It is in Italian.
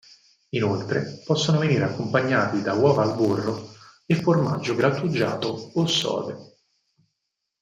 Inoltre possono venire accompagnati da uova al burro e formaggio grattugiato o sode.